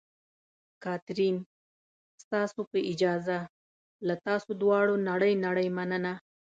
کاترین: ستاسو په اجازه، له تاسو دواړو نړۍ نړۍ مننه.